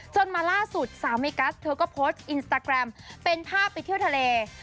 มาล่าสุดสาวเมกัสเธอก็โพสต์อินสตาแกรมเป็นภาพไปเที่ยวทะเล